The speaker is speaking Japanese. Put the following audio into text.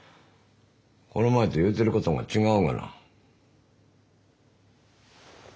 この前と言うてることが違うがな。